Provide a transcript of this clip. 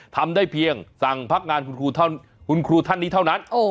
ทำได้เพียงสั่งพักงานคุณครูท่านนี้เท่านั้น